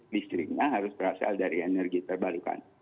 listriknya harus berasal dari energi terbarukan